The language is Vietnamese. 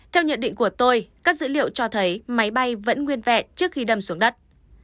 theo nhận định của tôi các dữ liệu cho thấy máy bay vẫn nguyên vẹn trước khi đâm xuống đất